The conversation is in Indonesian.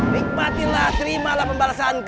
nikmatinlah terimalah pembalasanku